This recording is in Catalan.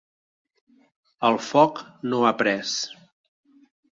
El foc no ha pres.